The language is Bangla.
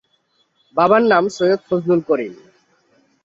বাবার নাম সৈয়দ ফজলুল করিম।